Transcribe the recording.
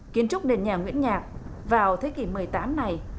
kiến trúc đền nhà nguyễn nhạc vào thế kỷ một mươi tám này